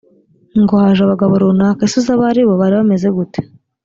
ngohaje abagabo runaka. ese uzi abo ari bo ? bari bamezegute?